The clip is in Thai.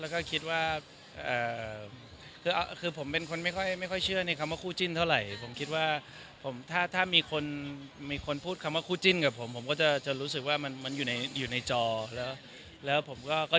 แล้วก็คิดว่าคือผมเป็นคนไม่ค่อยเชื่อในคำว่าคู่จิ้นเท่าไหร่ผมคิดว่าผมถ้ามีคนมีคนพูดคำว่าคู่จิ้นกับผมผมก็จะรู้สึกว่ามันอยู่ในอยู่ในจอแล้วผมก็